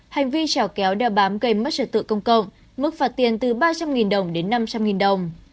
hành vi trào kéo đeo bám gây mất trật tự công cộng mức phạt tiền từ ba trăm linh đồng đến năm trăm linh đồng